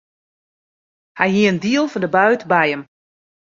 Hy hie in diel fan de bút by him.